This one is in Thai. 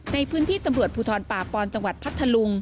ในพื้นที่ตำรวจภูทรป่าปอนจังหวัดพัทธลุง